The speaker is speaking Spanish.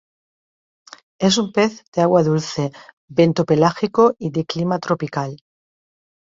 Es un pez de agua dulce, bentopelágico y de clima tropical.